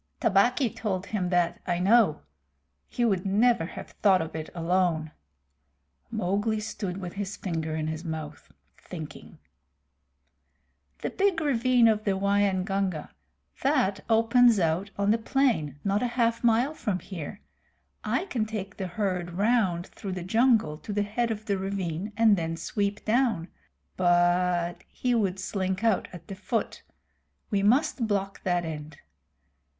"Tabaqui told him that, I know. He would never have thought of it alone." Mowgli stood with his finger in his mouth, thinking. "The big ravine of the Waingunga. That opens out on the plain not half a mile from here. I can take the herd round through the jungle to the head of the ravine and then sweep down but he would slink out at the foot. We must block that end.